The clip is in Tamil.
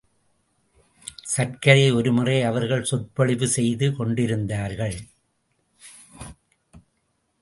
சர்க்கரை ஒரு முறை அவர்கள் சொற்பொழிவு செய்து கொண்டிருந்தார்கள்.